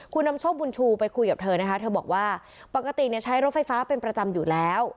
คุณนำโชคบุญชูไปคุยกับเธอนะคะเธอบอกว่าปกติใช้รถไฟฟ้าเป็นประจำอยู่แล้ว